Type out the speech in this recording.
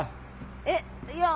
えっいや。